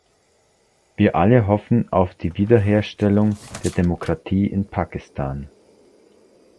Wir alle hoffen auf die Wiederherstellung der Demokratie in Pakistan.